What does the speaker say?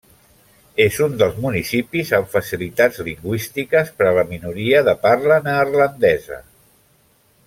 És un dels municipis amb facilitats lingüístiques per a la minoria de parla neerlandesa.